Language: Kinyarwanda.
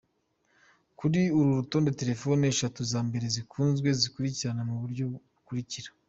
Kuri uru rutonde, telefone eshanu za mbere zikunzwe zikurikirana mu buryo bukurikira:.